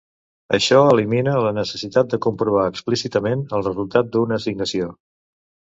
Això elimina la necessitat de comprovar explícitament el resultat d'una assignació.